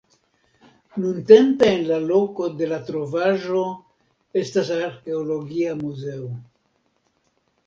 Nuntempe en la loko de la trovaĵo estas arkeologia muzeo.